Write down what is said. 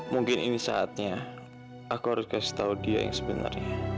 mungkin ini saatnya aku harus kasih tahu dia yang sebenarnya